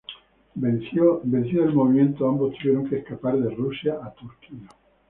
Vencido el movimiento ambos tuvieron que escapar de Rusia a Turquía.